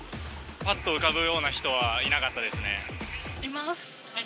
ぱっと浮かぶような人はいないます。